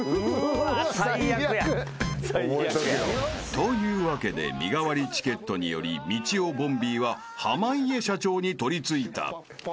［というわけで身代わりチケットによりみちおボンビーは濱家社長に取りついた］